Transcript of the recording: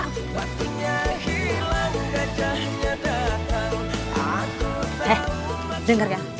eh denger ya